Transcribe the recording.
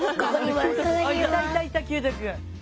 いたいたいた玖太君。